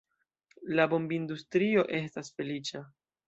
La bombindustrio estas feliĉa.